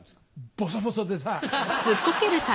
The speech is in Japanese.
ボソボソでさ。